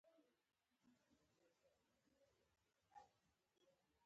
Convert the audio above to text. خو د مینې او د دفتر په شرایطو کې دوام نشي کولای.